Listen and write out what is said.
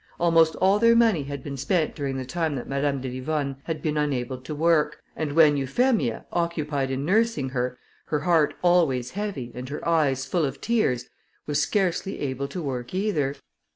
Almost all their money had been spent during the time that Madame de Livonne had been unable to work, and when Euphemia, occupied in nursing her, her heart always heavy, and her eyes full of tears, was scarcely able to work either.